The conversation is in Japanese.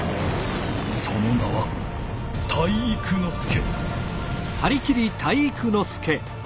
その名は体育ノ介！